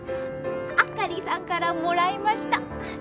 アカリさんからもらいました。